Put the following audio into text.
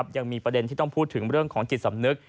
ยังมีประเด็นที่ต้องพูดถึงเรื่องของจิตสำนึก